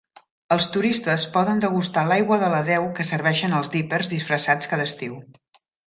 Els turistes poden degustar l'aigua de la deu que serveixen els "Dippers" disfressats cada estiu.